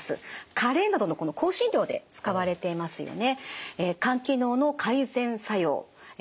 カレーなどの香辛料で使われていますよね。